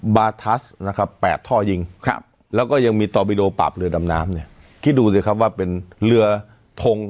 บาทัสนะครับ๘ท่อยิงครับแล้วก็ยังมีตอบิโดปรับเรือดำน้ำเนี่ยคิดดูสิครับว่าเป็นเรือทง